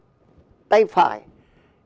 mình ảnh hưởng th evalu đi các cách con người đó